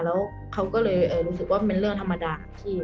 แล้วเขาก็เลยรู้สึกว่าเป็นเรื่องธรรมดาที่